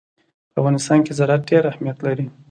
په افغانستان کې زراعت ډېر اهمیت لري.